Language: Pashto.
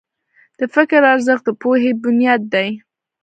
د فکر ارزښت د پوهې بنیاد دی.